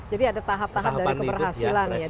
jadi ada tahap tahap dari keberhasilan ya